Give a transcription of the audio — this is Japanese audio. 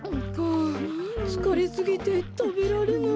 あつかれすぎてたべられない。